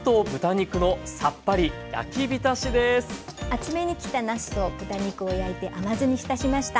厚めに切ったなすと豚肉を焼いて甘酢に浸しました。